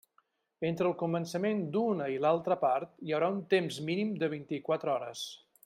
Entre el començament d'una i l'altra part hi haurà un temps mínim de vint-i-quatre hores.